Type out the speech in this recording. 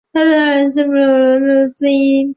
鉴贞是大友家重臣户次鉴连的一门亲族众之一。